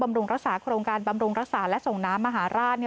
รุงรักษาโครงการบำรุงรักษาและส่งน้ำมหาราช